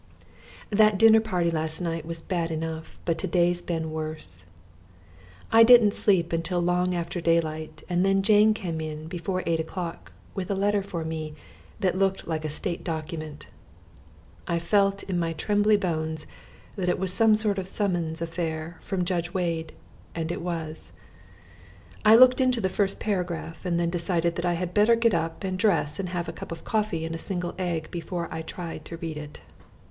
That dinner party last night was bad enough, but to day's been worse. I didn't sleep until long after daylight and then Jane came in before eight o'clock with a letter for me that looked like a state document. I felt in my trembly bones that it was some sort of summons affair from Judge Wade; and it was. I looked into the first paragraph and then decided that I had better get up and dress and have a cup of coffee and a single egg before I tried to read it.